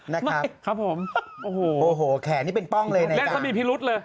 นะครับโอ้โฮแขกนี่เป็นป้องเลยในการแล้วมีพิรุธเลย